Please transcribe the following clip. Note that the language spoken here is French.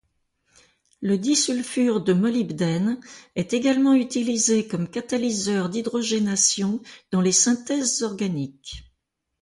Le disulfure de molybdène est également utilisé comme catalyseur d'hydrogénation dans les synthèses organiques.